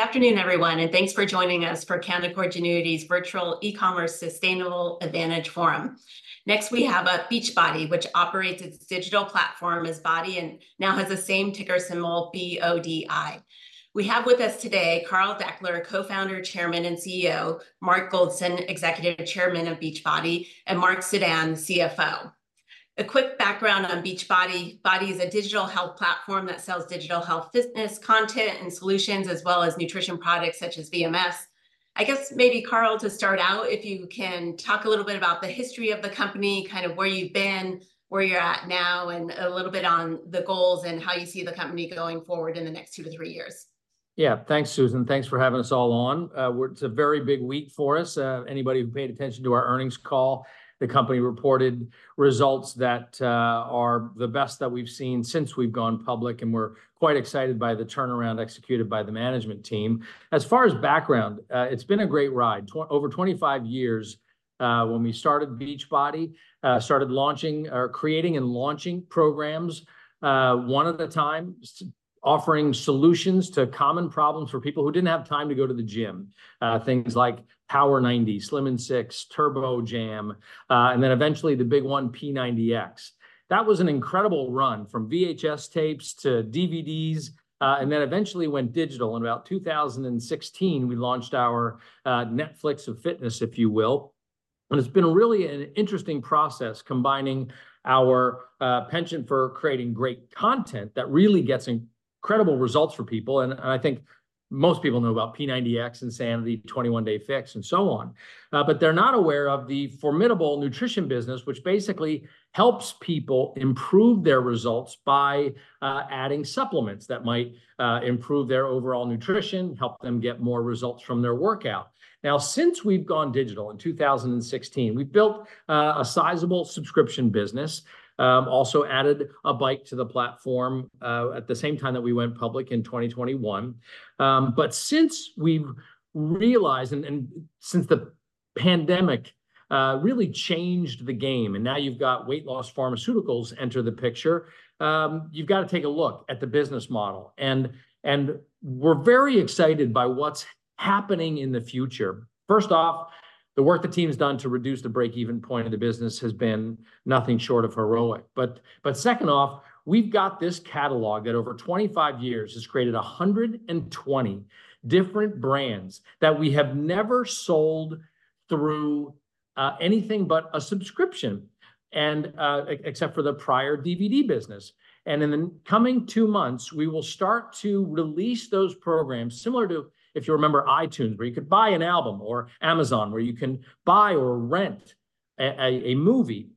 Good afternoon, everyone, and thanks for joining us for Canaccord Genuity's virtual E-Commerce Sustainable Advantage Forum. Next we have The Beachbody Company, which operates its digital platform as BODi and now has the same ticker symbol BODI. We have with us today Carl Daikeler, Co-Founder, Chairman, and CEO; Mark Goldston, Executive Chairman of The Beachbody Company; and Marc Suidan, CFO. A quick background on The Beachbody Company: BODi is a digital health platform that sells digital health fitness content and solutions, as well as nutrition products such as VMS. I guess maybe, Carl, to start out, if you can talk a little bit about the history of the company, kind of where you've been, where you're at now, and a little bit on the goals and how you see the company going forward in the next 2-3 years. Yeah, thanks, Susan. Thanks for having us all on. It's a very big week for us. Anybody who paid attention to our earnings call, the company reported results that are the best that we've seen since we've gone public, and we're quite excited by the turnaround executed by the management team. As far as background, it's been a great ride. Then, over 25 years, when we started Beachbody, started launching or creating and launching programs, one at a time, offering solutions to common problems for people who didn't have time to go to the gym. Things like Power 90, Slim in 6, Turbo Jam, and then eventually the big one, P90X. That was an incredible run from VHS tapes to DVDs, and then eventually went digital. In about 2016, we launched our Netflix of Fitness, if you will. It's been really an interesting process combining our penchant for creating great content that really gets incredible results for people. And I think most people know about P90X and Insanity, 21 Day Fix, and so on. But they're not aware of the formidable nutrition business, which basically helps people improve their results by adding supplements that might improve their overall nutrition, help them get more results from their workout. Now, since we've gone digital in 2016, we've built a sizable subscription business, also added a bike to the platform, at the same time that we went public in 2021. But since we've realized and since the pandemic really changed the game, and now you've got weight loss pharmaceuticals enter the picture, you've got to take a look at the business model. And we're very excited by what's happening in the future. First off, the work the team's done to reduce the breakeven point of the business has been nothing short of heroic. But second off, we've got this catalog that over 25 years has created 120 different brands that we have never sold through, anything but a subscription, and, except for the prior DVD business. In the coming 2 months, we will start to release those programs similar to, if you remember, iTunes, where you could buy an album, or Amazon, where you can buy or rent a movie.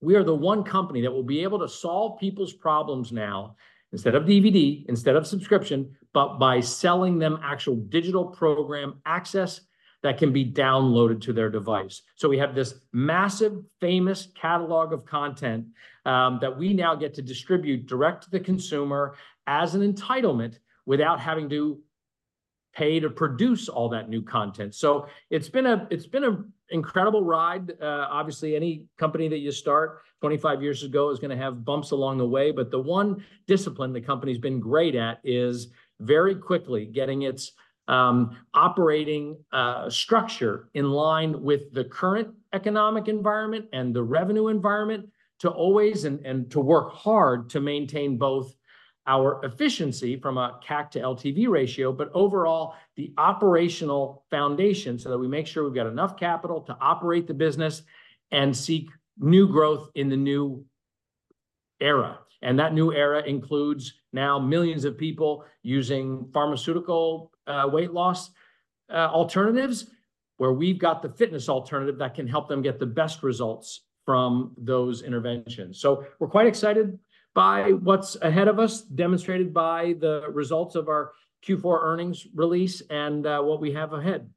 We are the one company that will be able to solve people's problems now instead of DVD, instead of subscription, but by selling them actual digital program access that can be downloaded to their device. So we have this massive, famous catalog of content, that we now get to distribute direct to the consumer as an entitlement without having to pay to produce all that new content. So it's been an incredible ride. Obviously, any company that you start 25 years ago is going to have bumps along the way. But the one discipline the company's been great at is very quickly getting its operating structure in line with the current economic environment and the revenue environment to always and to work hard to maintain both our efficiency from a CAC to LTV ratio, but overall the operational foundation so that we make sure we've got enough capital to operate the business and seek new growth in the new era. That new era includes now millions of people using pharmaceutical weight loss alternatives, where we've got the fitness alternative that can help them get the best results from those interventions. We're quite excited by what's ahead of us, demonstrated by the results of our Q4 earnings release and what we have ahead.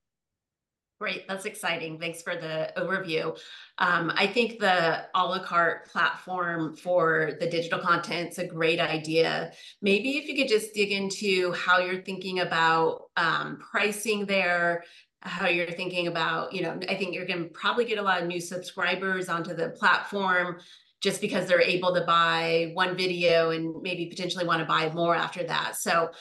Great. That's exciting. Thanks for the overview. I think the à la carte platform for the digital content's a great idea. Maybe if you could just dig into how you're thinking about, pricing there, how you're thinking about, you know, I think you're going to probably get a lot of new subscribers onto the platform just because they're able to buy one video and maybe potentially want to buy more after that. So,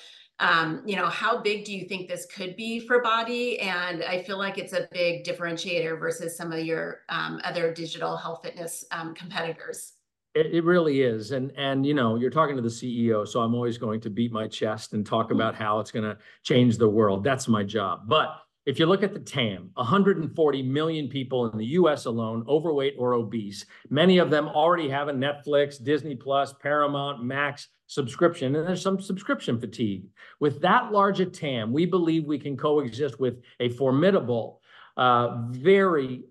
you know, how big do you think this could be for BODi? And I feel like it's a big differentiator versus some of your, other digital health fitness, competitors. It really is. And you know, you're talking to the CEO, so I'm always going to beat my chest and talk about how it's going to change the world. That's my job. But if you look at the TAM, 140 million people in the U.S. alone, overweight or obese, many of them already have a Netflix, Disney+, Paramount, Max subscription, and there's some subscription fatigue. With that large a TAM, we believe we can coexist with a formidable, very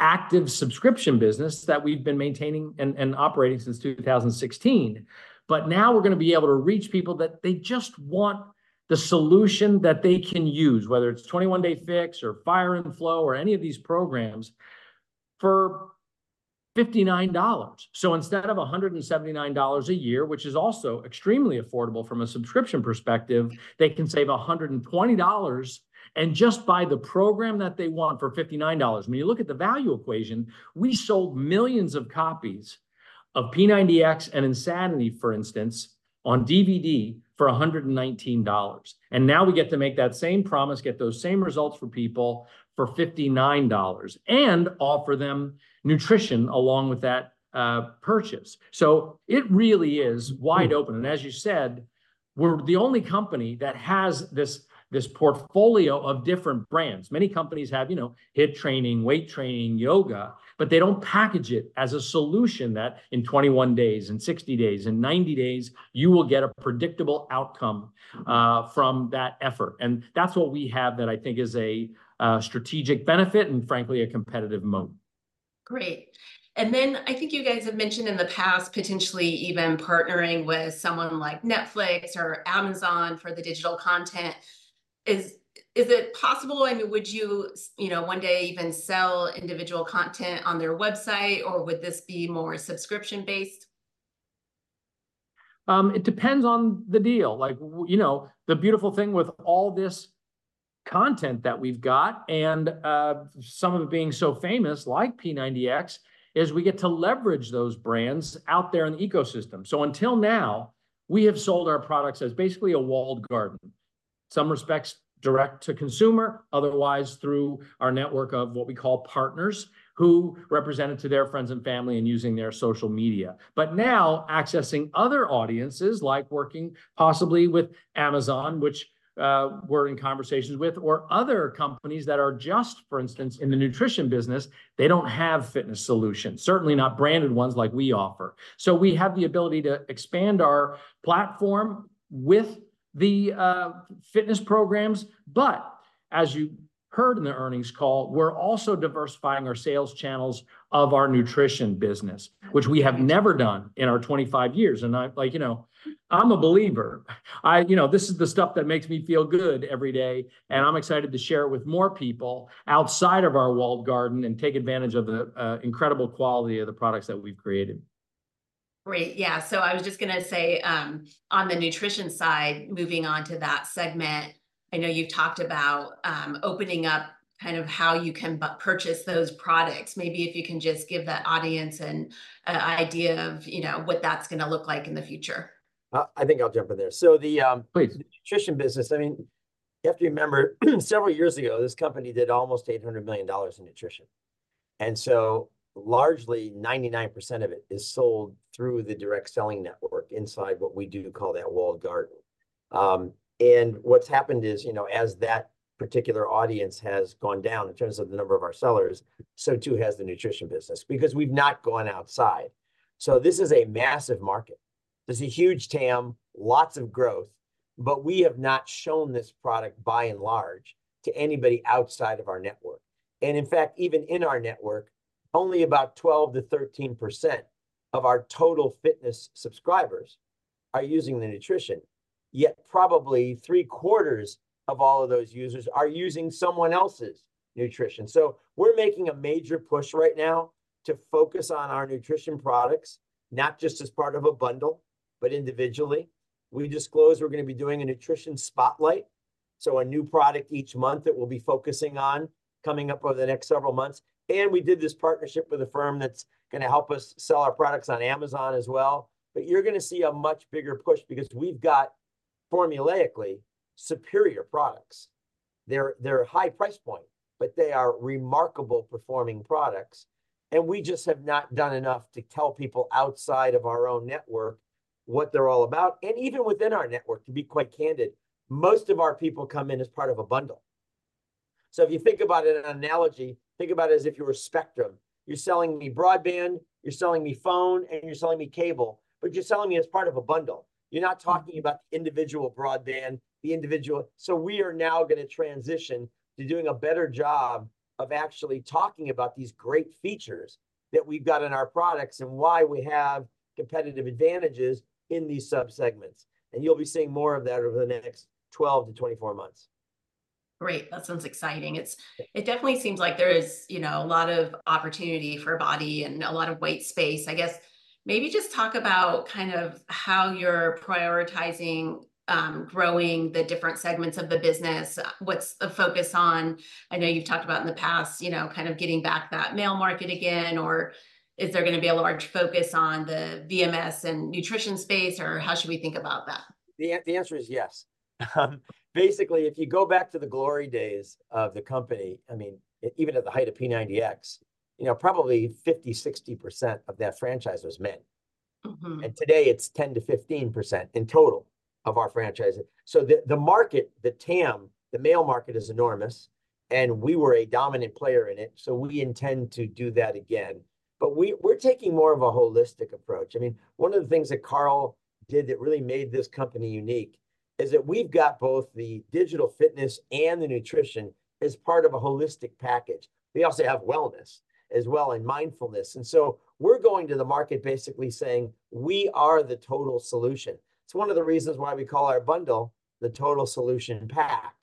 active subscription business that we've been maintaining and operating since 2016. But now we're going to be able to reach people that they just want the solution that they can use, whether it's 21 Day Fix or Fire and Flow or any of these programs, for $59. So instead of $179 a year, which is also extremely affordable from a subscription perspective, they can save $120 and just buy the program that they want for $59. When you look at the value equation, we sold millions of copies of P90X and Insanity, for instance, on DVD for $119. And now we get to make that same promise, get those same results for people for $59, and offer them nutrition along with that purchase. So it really is wide open. And as you said, we're the only company that has this portfolio of different brands. Many companies have, you know, HIIT training, weight training, yoga, but they don't package it as a solution that in 21 days, in 60 days, in 90 days, you will get a predictable outcome from that effort. That's what we have that I think is a strategic benefit and frankly a competitive moat. Great. And then I think you guys have mentioned in the past potentially even partnering with someone like Netflix or Amazon for the digital content. Is it possible? I mean, would you, you know, one day even sell individual content on their website, or would this be more subscription-based? It depends on the deal. Like, you know, the beautiful thing with all this content that we've got and, some of it being so famous like P90X is we get to leverage those brands out there in the ecosystem. So until now, we have sold our products as basically a walled garden, in some respects direct to consumer, otherwise through our network of what we call partners who represent it to their friends and family and using their social media. But now accessing other audiences like working possibly with Amazon, which, we're in conversations with, or other companies that are just, for instance, in the nutrition business, they don't have fitness solutions, certainly not branded ones like we offer. So we have the ability to expand our platform with the, fitness programs. But as you heard in the earnings call, we're also diversifying our sales channels of our nutrition business, which we have never done in our 25 years. And I'm like, you know, I'm a believer. I, you know, this is the stuff that makes me feel good every day, and I'm excited to share it with more people outside of our walled garden and take advantage of the, incredible quality of the products that we've created. Great. Yeah. So I was just going to say, on the nutrition side, moving on to that segment, I know you've talked about opening up kind of how you can purchase those products. Maybe if you can just give that audience an idea of, you know, what that's going to look like in the future. I think I'll jump in there. So the nutrition business, I mean, you have to remember several years ago, this company did almost $800 million in nutrition. And so largely 99% of it is sold through the direct selling network inside what we do call that walled garden. And what's happened is, you know, as that particular audience has gone down in terms of the number of our sellers, so too has the nutrition business because we've not gone outside. So this is a massive market. This is a huge TAM, lots of growth, but we have not shown this product by and large to anybody outside of our network. And in fact, even in our network, only about 12%-13% of our total fitness subscribers are using the nutrition, yet probably three-quarters of all of those users are using someone else's nutrition. So we're making a major push right now to focus on our nutrition products, not just as part of a bundle, but individually. We disclosed we're going to be doing a Nutrition Spotlight. So a new product each month that we'll be focusing on coming up over the next several months. And we did this partnership with a firm that's going to help us sell our products on Amazon as well. But you're going to see a much bigger push because we've got formulaically superior products. They're a high price point, but they are remarkable performing products. And we just have not done enough to tell people outside of our own network what they're all about. And even within our network, to be quite candid, most of our people come in as part of a bundle. So if you think about it in an analogy, think about it as if you were a Spectrum. You're selling me broadband, you're selling me phone, and you're selling me cable, but you're selling me as part of a bundle. You're not talking about the individual broadband, the individual. So we are now going to transition to doing a better job of actually talking about these great features that we've got in our products and why we have competitive advantages in these subsegments. And you'll be seeing more of that over the next 12-24 months. Great. That sounds exciting. It definitely seems like there is, you know, a lot of opportunity for BODi and a lot of white space. I guess maybe just talk about kind of how you're prioritizing, growing the different segments of the business, what's the focus on? I know you've talked about in the past, you know, kind of getting back that male market again, or is there going to be a large focus on the VMS and nutrition space, or how should we think about that? The answer is yes. Basically, if you go back to the glory days of the company, I mean, even at the height of P90X, you know, probably 50%-60% of that franchise was men. And today it's 10%-15% in total of our franchise. So the market, the TAM, the male market is enormous, and we were a dominant player in it. So we intend to do that again. But we're taking more of a holistic approach. I mean, one of the things that Carl did that really made this company unique is that we've got both the digital fitness and the nutrition as part of a holistic package. We also have wellness as well and mindfulness. And so we're going to the market basically saying we are the total solution. It's one of the reasons why we call our bundle the Total Solution Pack.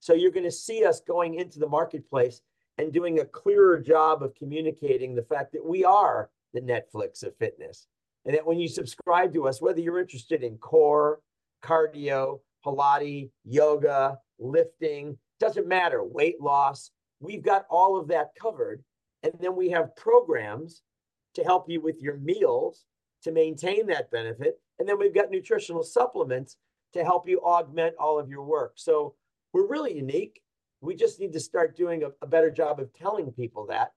So you're going to see us going into the marketplace and doing a clearer job of communicating the fact that we are the Netflix of fitness. And that when you subscribe to us, whether you're interested in core, cardio, Pilates, yoga, lifting, it doesn't matter, weight loss, we've got all of that covered. And then we have programs to help you with your meals to maintain that benefit. And then we've got nutritional supplements to help you augment all of your work. So we're really unique. We just need to start doing a better job of telling people that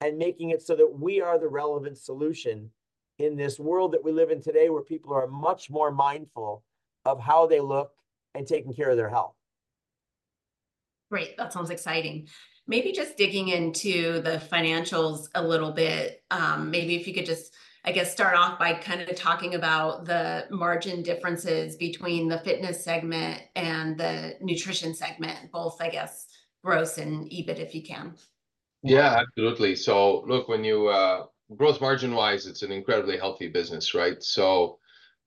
and making it so that we are the relevant solution in this world that we live in today where people are much more mindful of how they look and taking care of their health. Great. That sounds exciting. Maybe just digging into the financials a little bit. Maybe if you could just, I guess, start off by kind of talking about the margin differences between the fitness segment and the nutrition segment, both, I guess, gross and EBIT if you can. Yeah, absolutely. So look, when you, gross margin-wise, it's an incredibly healthy business, right?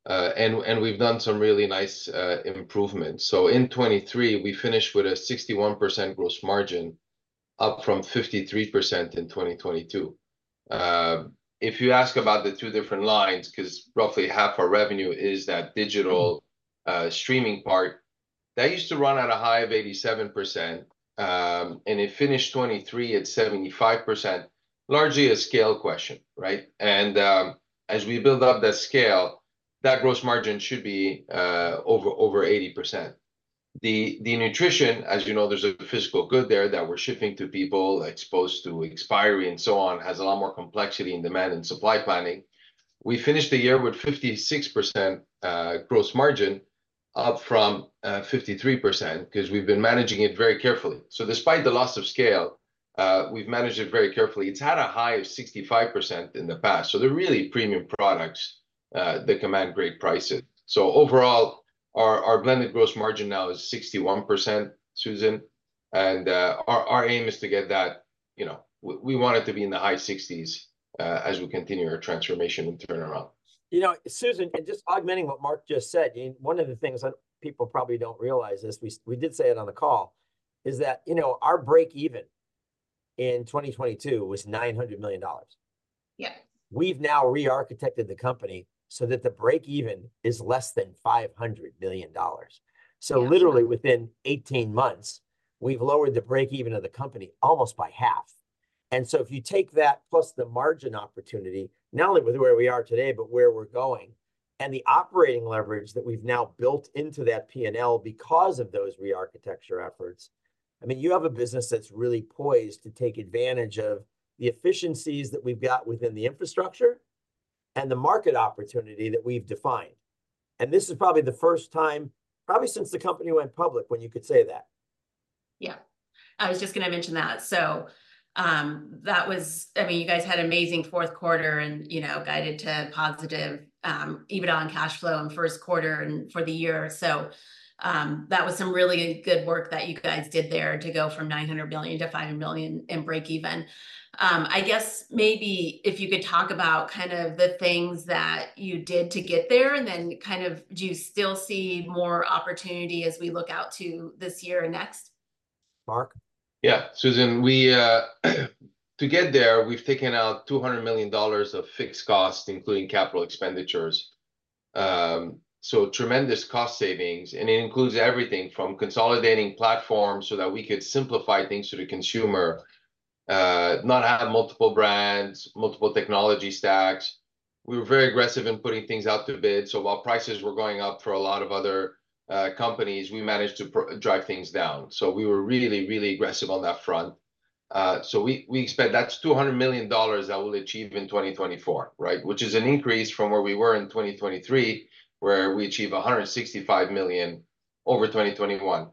So, and we've done some really nice, improvements. So in 2023, we finished with a 61% gross margin, up from 53% in 2022. If you ask about the two different lines, because roughly half our revenue is that digital, streaming part, that used to run at a high of 87%. And it finished 2023 at 75%, largely a scale question, right? And, as we build up that scale, that gross margin should be, over over 80%. The nutrition, as you know, there's a physical good there that we're shipping to people exposed to expiry and so on, has a lot more complexity in demand and supply planning. We finished the year with 56%, gross margin, up from, 53% because we've been managing it very carefully. So despite the loss of scale, we've managed it very carefully. It's had a high of 65% in the past. So they're really premium products that command great prices. So overall, our blended gross margin now is 61%, Susan. And our aim is to get that, you know, we want it to be in the high 60s%, as we continue our transformation and turnaround. You know, Susan, and just augmenting what Mark just said, I mean, one of the things that people probably don't realize is we did say it on the call is that, you know, our break-even in 2022 was $900 million. Yes. We've now rearchitected the company so that the break-even is less than $500 million. So literally within 18 months, we've lowered the break-even of the company almost by half. And so if you take that plus the margin opportunity, not only with where we are today, but where we're going, and the operating leverage that we've now built into that P&L because of those rearchitecture efforts, I mean, you have a business that's really poised to take advantage of the efficiencies that we've got within the infrastructure and the market opportunity that we've defined. And this is probably the first time, probably since the company went public, when you could say that. Yeah. I was just going to mention that. So, that was, I mean, you guys had amazing fourth quarter and, you know, guided to positive EBITDA on cash flow in first quarter and for the year. So, that was some really good work that you guys did there to go from $900 million to $500 million in break-even. I guess maybe if you could talk about kind of the things that you did to get there and then kind of do you still see more opportunity as we look out to this year and next? Mark? Yeah, Susan. We, to get there, we've taken out $200 million of fixed costs, including capital expenditures. So tremendous cost savings. And it includes everything from consolidating platforms so that we could simplify things to the consumer, not have multiple brands, multiple technology stacks. We were very aggressive in putting things out to bid. So while prices were going up for a lot of other companies, we managed to drive things down. So we were really, really aggressive on that front. So we expect that's $200 million that we'll achieve in 2024, right? Which is an increase from where we were in 2023, where we achieve $165 million over 2021.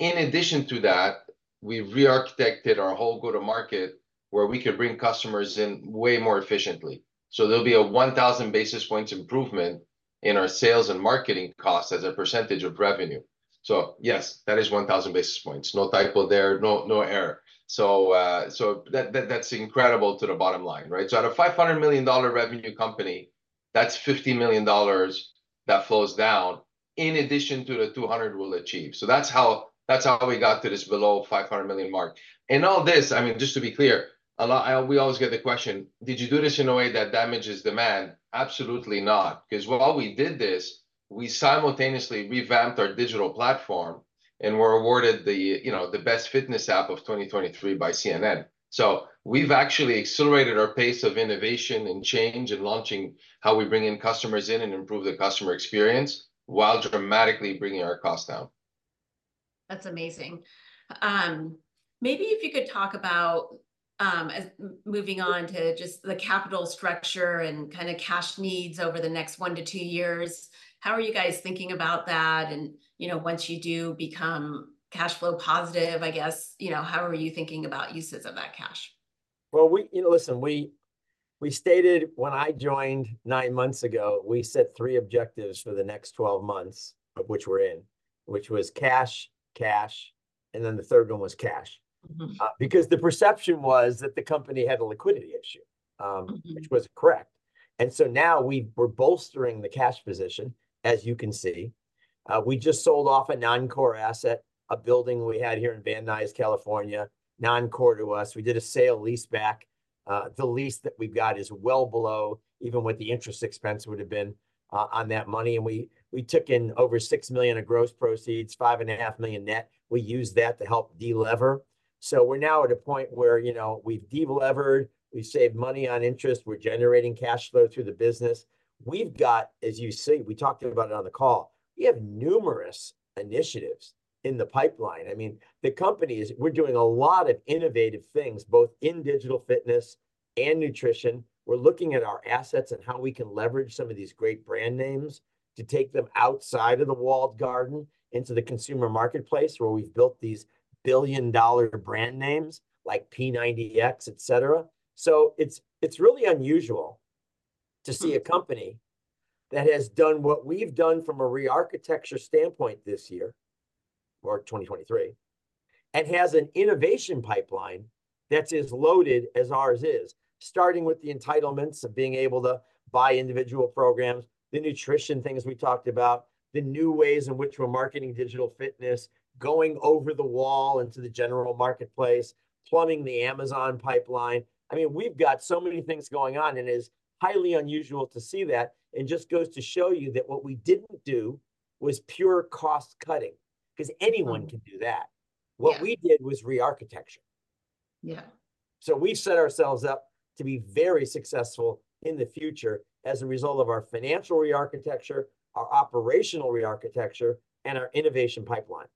In addition to that, we rearchitected our whole go-to-market where we could bring customers in way more efficiently. So there'll be a 1,000 basis points improvement in our sales and marketing costs as a percentage of revenue. So yes, that is 1,000 basis points. No typo there, no error. So that's incredible to the bottom line, right? So out of a $500 million revenue company, that's $50 million that flows down in addition to the $200 we'll achieve. So that's how we got to this below $500 million mark. And all this, I mean, just to be clear, a lot. We always get the question, did you do this in a way that damages demand? Absolutely not. Because while we did this, we simultaneously revamped our digital platform and were awarded the, you know, the best fitness app of 2023 by CNN. So we've actually accelerated our pace of innovation and change and launching how we bring in customers in and improve the customer experience while dramatically bringing our costs down. That's amazing. Maybe if you could talk about, as moving on to just the capital structure and kind of cash needs over the next one to two years, how are you guys thinking about that? And, you know, once you do become cash flow positive, I guess, you know, how are you thinking about uses of that cash? Well, you know, listen, we stated when I joined nine months ago, we set three objectives for the next 12 months, which we're in, which was cash, cash, and then the third one was cash. Because the perception was that the company had a liquidity issue, which was correct. And so now we're bolstering the cash position, as you can see. We just sold off a non-core asset, a building we had here in Van Nuys, California, non-core to us. We did a sale-leaseback. The lease that we've got is well below, even what the interest expense would have been, on that money. And we took in over $6 million of gross proceeds, $5.5 million net. We used that to help de-lever. So we're now at a point where, you know, we've de-levered, we've saved money on interest, we're generating cash flow through the business. We've got, as you see, we talked about it on the call, we have numerous initiatives in the pipeline. I mean, the company is, we're doing a lot of innovative things, both in digital fitness and nutrition. We're looking at our assets and how we can leverage some of these great brand names to take them outside of the walled garden into the consumer marketplace where we've built these billion-dollar brand names like P90X, et cetera. So it's really unusual to see a company that has done what we've done from a rearchitecture standpoint this year, or 2023, and has an innovation pipeline that's as loaded as ours is, starting with the entitlements of being able to buy individual programs, the nutrition things we talked about, the new ways in which we're marketing digital fitness, going over the wall into the general marketplace, plumbing the Amazon pipeline. I mean, we've got so many things going on, and it's highly unusual to see that, and just goes to show you that what we didn't do was pure cost cutting because anyone can do that. What we did was rearchitecture. Yeah. We've set ourselves up to be very successful in the future as a result of our financial rearchitecture, our operational rearchitecture, and our innovation pipeline.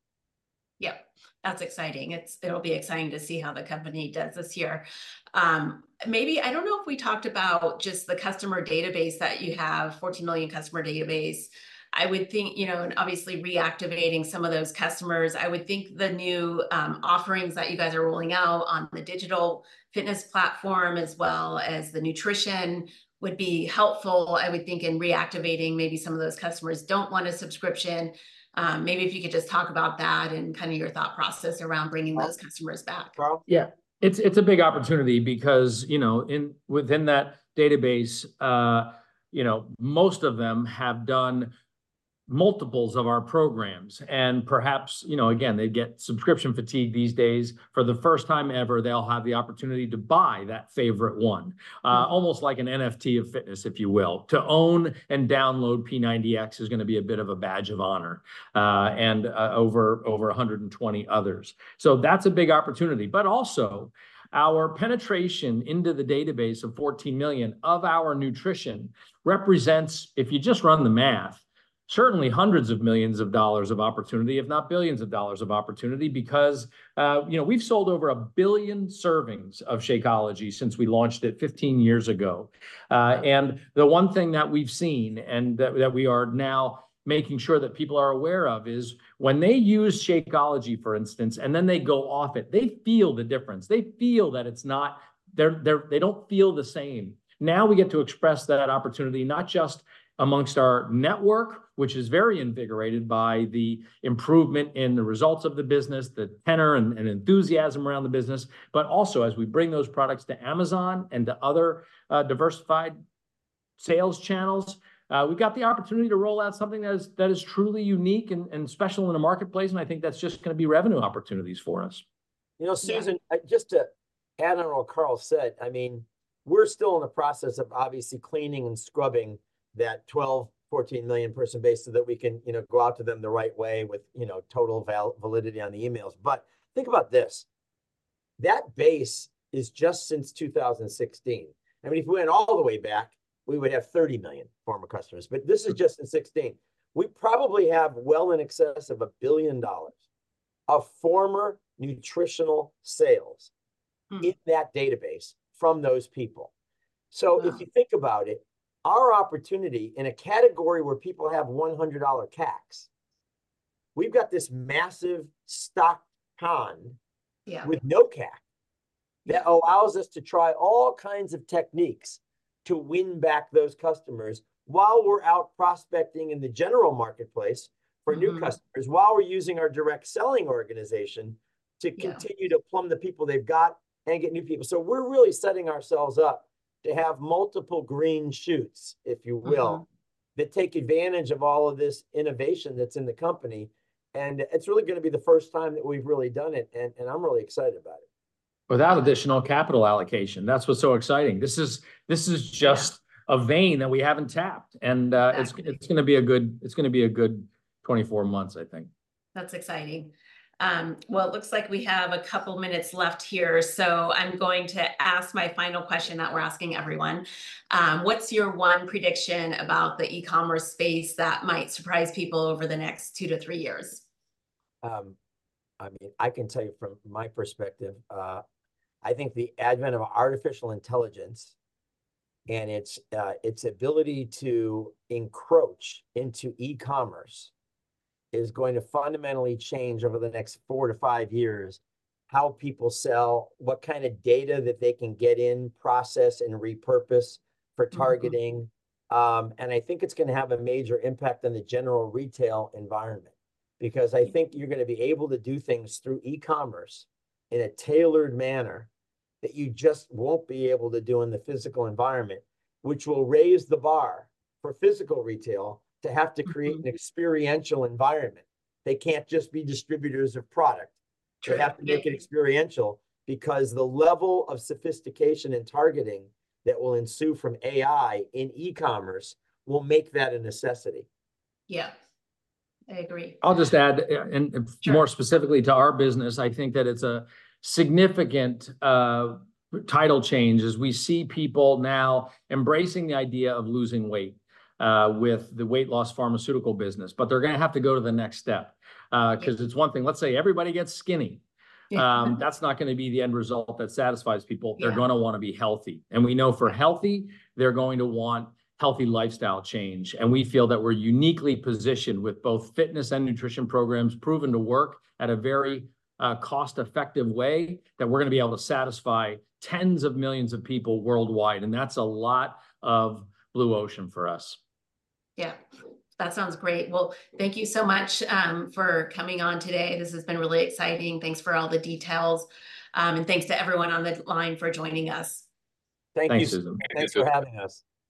Yeah. That's exciting. It'll be exciting to see how the company does this year. Maybe, I don't know if we talked about just the customer database that you have, 14 million customer database. I would think, you know, and obviously reactivating some of those customers, I would think the new offerings that you guys are rolling out on the digital fitness platform as well as the nutrition would be helpful, I would think, in reactivating maybe some of those customers don't want a subscription. Maybe if you could just talk about that and kind of your thought process around bringing those customers back. Carl? Yeah. It's a big opportunity because, you know, within that database, you know, most of them have done multiples of our programs. And perhaps, you know, again, they get subscription fatigue these days. For the first time ever, they'll have the opportunity to buy that favorite one, almost like an NFT of fitness, if you will. To own and download P90X is going to be a bit of a badge of honor, and over 120 others. So that's a big opportunity. But also, our penetration into the database of 14 million of our nutrition represents, if you just run the math, certainly $ hundreds of millions of opportunity, if not $ billions of opportunity, because, you know, we've sold over 1 billion servings of Shakeology since we launched it 15 years ago. The one thing that we've seen and that we are now making sure that people are aware of is when they use Shakeology, for instance, and then they go off it, they feel the difference. They feel that it's not; they don't feel the same. Now we get to express that opportunity, not just among our network, which is very invigorated by the improvement in the results of the business, the tenor and enthusiasm around the business, but also as we bring those products to Amazon and to other diversified sales channels, we've got the opportunity to roll out something that is truly unique and special in a marketplace. I think that's just going to be revenue opportunities for us. You know, Susan, just to add on what Carl said, I mean, we're still in the process of obviously cleaning and scrubbing that 12-14 million person base so that we can, you know, go out to them the right way with, you know, total validity on the emails. But think about this. That base is just since 2016. I mean, if we went all the way back, we would have 30 million former customers. But this is just in 2016. We probably have well in excess of $1 billion of former nutritional sales in that database from those people. So if you think about it, our opportunity in a category where people have $100 CACs, we've got this massive stock pond with no CAC that allows us to try all kinds of techniques to win back those customers while we're out prospecting in the general marketplace for new customers, while we're using our direct selling organization to continue to plumb the people they've got and get new people. So we're really setting ourselves up to have multiple green shoots, if you will, that take advantage of all of this innovation that's in the company. And it's really going to be the first time that we've really done it. And I'm really excited about it. Without additional capital allocation. That's what's so exciting. This is just a vein that we haven't tapped. It's going to be a good 24 months, I think. That's exciting. Well, it looks like we have a couple minutes left here. So I'm going to ask my final question that we're asking everyone. What's your one prediction about the e-commerce space that might surprise people over the next two to three years? I mean, I can tell you from my perspective, I think the advent of artificial intelligence and its, its ability to encroach into e-commerce is going to fundamentally change over the next 4-5 years how people sell, what kind of data that they can get in, process, and repurpose for targeting. And I think it's going to have a major impact on the general retail environment. Because I think you're going to be able to do things through e-commerce in a tailored manner that you just won't be able to do in the physical environment, which will raise the bar for physical retail to have to create an experiential environment. They can't just be distributors of product. They have to make it experiential because the level of sophistication and targeting that will ensue from AI in e-commerce will make that a necessity. Yeah. I agree. I'll just add, and more specifically to our business, I think that it's a significant tidal change as we see people now embracing the idea of losing weight, with the weight loss pharmaceutical business. But they're going to have to go to the next step. Because it's one thing, let's say everybody gets skinny. That's not going to be the end result that satisfies people. They're going to want to be healthy. And we know for healthy, they're going to want healthy lifestyle change. And we feel that we're uniquely positioned with both fitness and nutrition programs, proven to work at a very cost-effective way that we're going to be able to satisfy tens of millions of people worldwide. And that's a lot of blue ocean for us. Yeah. That sounds great. Well, thank you so much for coming on today. This has been really exciting. Thanks for all the details. And thanks to everyone on the line for joining us. Thank you. Thanks, Susan. Thanks for having us.